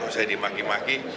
kalau saya dimaki maki